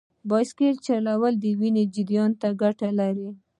بایسکل چلول د وینې جریان ته ګټه لري.